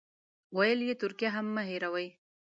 ویل یې ترکیه هم مه هېروئ.